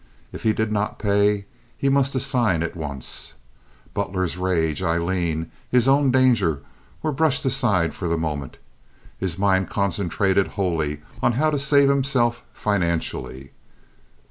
If he did not pay he must assign at once. Butler's rage, Aileen, his own danger, were brushed aside for the moment. His mind concentrated wholly on how to save himself financially.